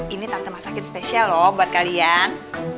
ini tante masakit spesial loh buat kalian